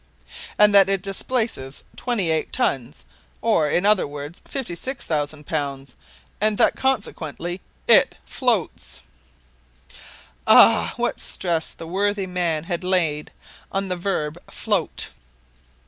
"And that it displaces twenty eight tons, or in other words 56,000 pounds, and that consequently it floats!" Ah! what stress the worthy man had laid on the verb "float!"